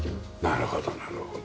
なるほどなるほど。